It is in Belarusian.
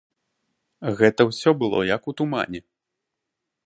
Гэта ўсё было як у тумане.